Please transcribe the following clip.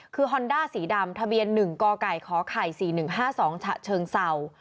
คือฮอนด้าสีดำทะเบียนหนึ่งกไก่ขไข่สี่หนึ่งห้าสองฉะเชิงเศรา